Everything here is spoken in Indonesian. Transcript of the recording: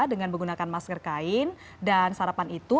dengan menggunakan masker kain dan sarapan itu